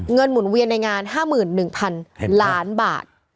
หมุนเวียนในงาน๕๑๐๐๐ล้านบาท